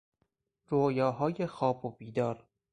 رویاهای خواب و بیدار